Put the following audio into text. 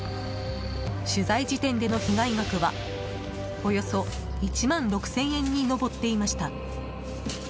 取材時点での被害額はおよそ１万６０００円に上っていました。